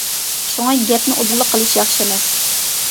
شۇڭا گەپنى ئۇدۇللا قىلىش ياخشى ئەمەس.